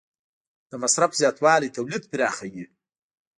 د مصرف زیاتوالی تولید پراخوي.